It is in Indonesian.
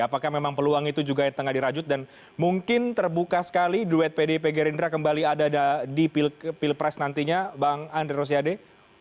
apakah memang peluang itu juga tengah dirajut dan mungkin terbuka sekali duet pdp gerindra kembali ada di pilpres nantinya bang andre rosiade